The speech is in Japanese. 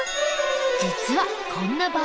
実はこんな場合も。